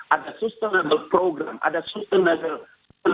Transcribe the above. ada program yang berkelanjutan